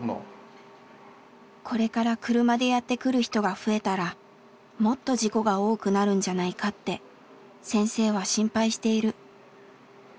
これから車でやって来る人が増えたらもっと事故が多くなるんじゃないかって先生は心配している。